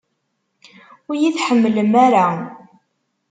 Ur iyi-tḥemmlem ara!